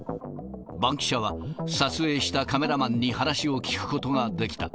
バンキシャは、撮影したカメラマンに話を聞くことができた。